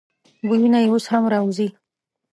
بویونه یې اوس هم راوزي.